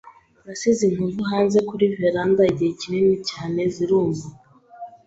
Nasize inkovu hanze kuri veranda igihe kinini cyane ziruma.